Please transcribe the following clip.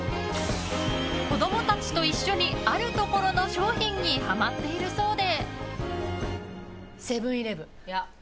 子供たちと一緒にあるところの商品にはまっているそうで。